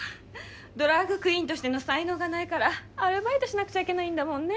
ドラァグクイーンとしての才能がないからアルバイトしなくちゃいけないんだもんねぇ。